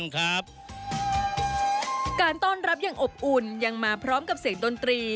การต้อนรับอย่างอบอุ่นยังมาพร้อมกับเสียงดนตรี